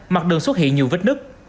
mặt đường xuất hiện nhiều vết nứt